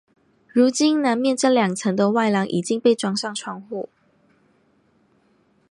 如今南面这两层的外廊已经被装上窗户。